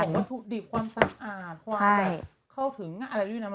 วัตถุดิบความสะอาดความเข้าถึงอะไรด้วยนะ